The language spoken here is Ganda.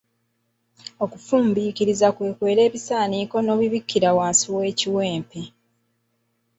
Okufumbiikiriza kwe kwera ebisaaniiko n’obibikkira wansi w’ekiwempe.